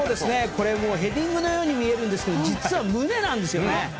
ヘディングのように見えるんですが実は胸なんですよね。